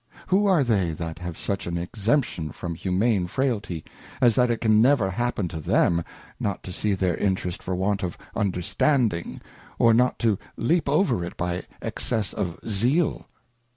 Who are they that have such an exemption from humane Frailty, as that it can never happen to them not to see their The Anatomy of an Equivalent. 127 their Interest for want of Understanding, or not to leap over it by excess of Zeal.